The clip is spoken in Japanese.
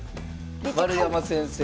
丸山先生。